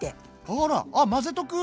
あらああ混ぜとく！